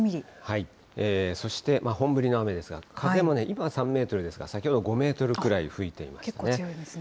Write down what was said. そして本降りの雨ですが、風もね、今は３メートルですが、先ほど５メートルくらい吹いていま結構強いですね。